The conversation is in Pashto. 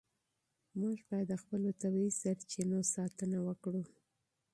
موږ باید د خپلو طبیعي سرچینو ساتنه وکړو.